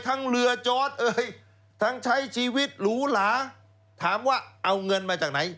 เรือจอดเอ่ยทั้งใช้ชีวิตหรูหลาถามว่าเอาเงินมาจากไหน